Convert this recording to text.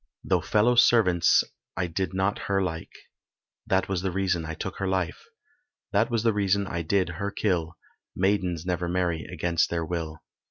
Though fellow servants I did not her like, That was the reason I took her life, That was the reason I did her kill, Maidens never marry against their will.